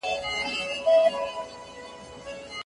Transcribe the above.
نرسې وویل چي شاګرد د لوړ ږغ سره پاڼه ړنګوي.